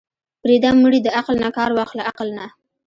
پرېده مړې د عقل نه کار واخله عقل نه.